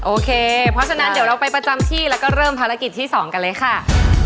โอเคเพราะฉะนั้นเดี๋ยวเราไปประจำที่แล้วก็เริ่มภารกิจที่๒กันเลยค่ะ